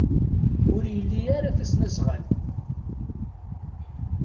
Ur ili ara tasnasɣalt.